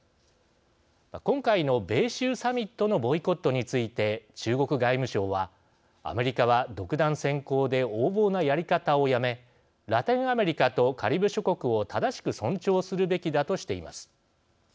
今回の米州サミットのボイコットについて中国外務省はアメリカは、独断専行で横暴なやり方をやめラテンアメリカとカリブ諸国を正しく尊重するべきだとしています。